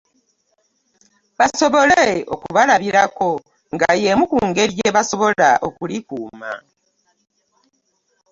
Basobole okubalabirako nga y'emu ku ngeri gye basobola okulikuuma.